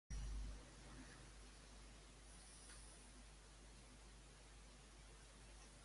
Considera que s'ha d'obrir el diàleg per a reduir les diferències.